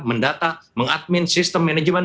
mengadmin sistem manajemen